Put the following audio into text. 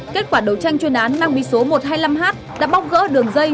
kết quả đấu tranh chuyên án mang bí số một trăm hai mươi năm h đã bóc gỡ đường dây